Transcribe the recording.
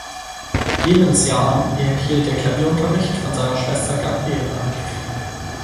Lebensjahr an erhielt er Klavierunterricht von seiner Schwester Gabriella.